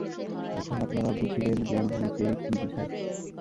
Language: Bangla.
এখন আপনারা বুঝিলেন, জ্ঞান বলিতে কি বুঝায়।